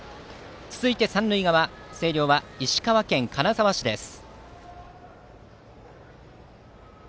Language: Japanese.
続いて三塁側星稜は石川県金沢市です。